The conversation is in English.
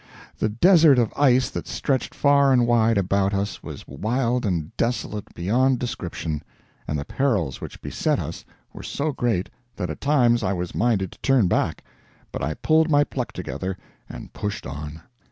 The desert of ice that stretched far and wide about us was wild and desolate beyond description, and the perils which beset us were so great that at times I was minded to turn back. But I pulled my pluck together and pushed on.